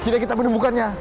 akhirnya kita menemukannya